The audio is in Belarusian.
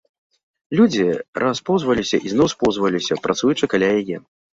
Людзі распоўзваліся і зноў споўзваліся, працуючы каля яе.